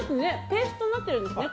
ペーストになってるんですね。